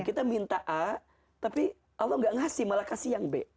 kita minta a tapi allah gak ngasih malah kasih yang b